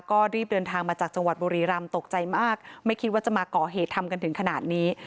ก็รีบเดินทางมาจากจังหวัดบุรีรำตกใจมากไม่คิดว่าจะมาก่อเหตุทำกันถึงขนาดนี้